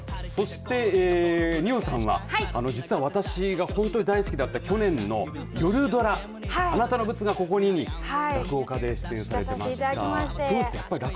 そして二葉さんは実は私が本当に大好きだった去年の夜ドラあなブツに落語家で出演されて。